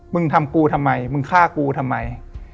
มึงทำกูทำไมมึงฆ่ากูทำไม